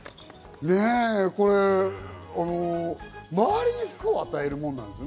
周りに福を与えるものなんですよね。